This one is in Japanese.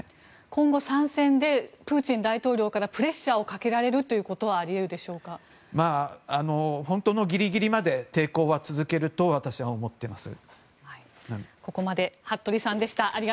今後、参戦でプーチン大統領からプレッシャーをかけられることは本当のギリギリまで抵抗は続けると私は思っています。